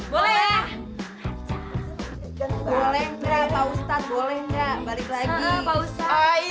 boleh nggak pak ustadz boleh nggak balik lagi